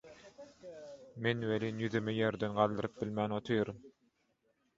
Men welin ýüzümi ýerden galdyryp bilmän otyryn –